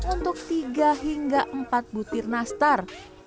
untuk tiga hingga empat butir nastar